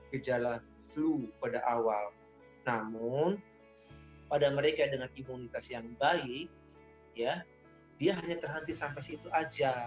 gejala flu pada awal namun pada mereka dengan imunitas yang baik dia hanya terhenti sampai situ aja